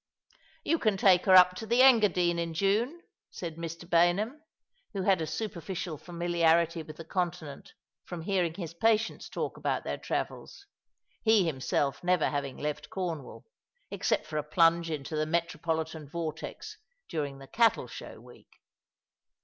," You can take her up to the Engadiue in June," said Mr. " The Year of the Rose is BiHcf!' 205 Bayuham, who had a superficial familiarity with the Con tinent from hearing his patients talk about their travels, he himself never having left Cornwall, except for a plunge into the metropolitan vortex during the Cattle Show week.